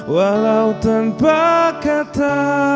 walau tanpa kata